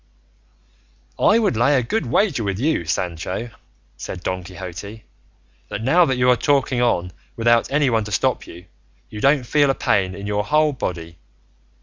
"I would lay a good wager with you, Sancho," said Don Quixote, "that now that you are talking on without anyone to stop you, you don't feel a pain in your whole body.